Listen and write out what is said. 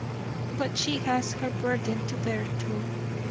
but she has her burden to bear too.